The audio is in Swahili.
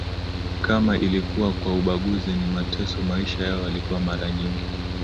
kama ilikuwa kwa ubaguzi na mateso Maisha yao yalikuwa mara nyingi